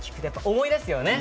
思い出すね。